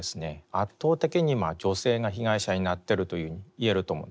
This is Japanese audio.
圧倒的に女性が被害者になっているというふうに言えると思うんですね。